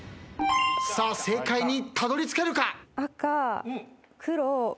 正解にたどりつけるか？